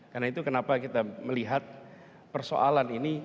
karena itu kenapa kita melihat persoalan ini